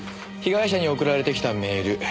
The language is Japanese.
被害者に送られてきたメール。